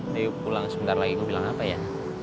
dewi pulang sebentar lagi gue bilang apa ya